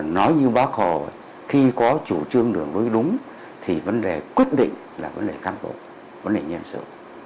nói như bác hồ khi có chủ trương đường lối đúng thì vấn đề quyết định là vấn đề cán bộ vấn đề nhân sự